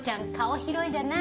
広いじゃない？